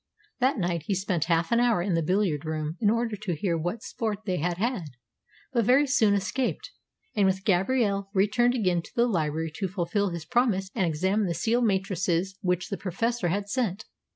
That night he spent half an hour in the billiard room in order to hear what sport they had had, but very soon escaped, and with Gabrielle returned again to the library to fulfil his promise and examine the seal matrices which the Professor had sent.